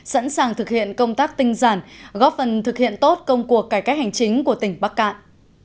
sẵn sàng thực hiện công tác tinh giản góp phần thực hiện tốt công cuộc cải cách hành chính của tỉnh bắc cạn